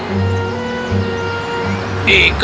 ikan ajaib bisa dengar aku